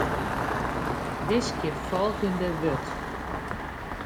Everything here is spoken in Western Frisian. Wiskje folgjende wurd.